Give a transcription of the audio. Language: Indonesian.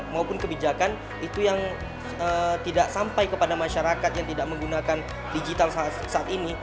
maupun kebijakan itu yang tidak sampai kepada masyarakat yang tidak menggunakan digital saat ini